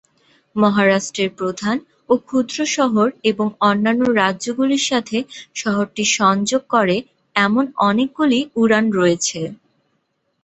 মহারাষ্ট্রের প্রধান ও ক্ষুদ্র শহর এবং অন্যান্য রাজ্যগুলির সাথে শহরটি সংযোগ করে এমন অনেকগুলি উড়ান রয়েছে।